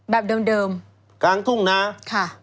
แบบเดิมกางทุ่งนา